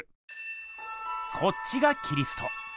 こっちがキリスト。